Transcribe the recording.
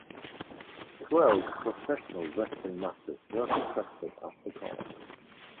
Twelve professional wrestling matches were contested at the card.